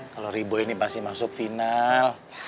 kalau ribu ini pasti masuk final